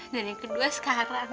dan yang kedua sekarang